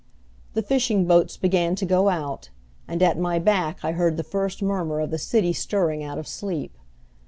The fishing boats began to go out, and at my back I heard the first murmur of the city stirring out of sleep.